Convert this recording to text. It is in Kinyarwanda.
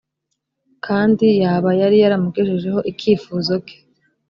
kandi yaba yari yaramugejejeho ikifuzo ke